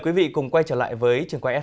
quý vị cùng quay trở lại với trường quay s hai